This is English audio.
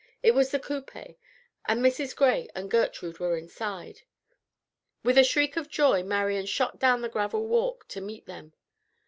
It was the coupé, and Mrs. Gray and Gertrude were inside. With a shriek of joy Marian shot down the gravel walk to meet them.